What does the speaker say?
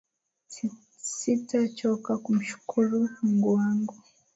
Sita choka kumshukuru Mungu wangu